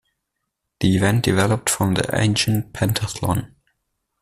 The event developed from the ancient pentathlon.